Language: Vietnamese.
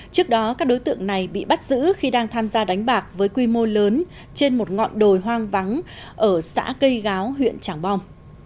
trước đó các đối tượng này bị bắt giữ khi đang tham gia đánh bạc với quy mô lớn trên một ngọn đồi hoang vắng ở xã cây gáo huyện trảng bom